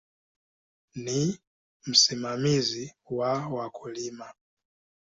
Ni msimamizi wa wakulima.